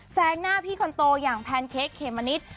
งหน้าพี่คนโตอย่างแพนเค้กเขมมะนิด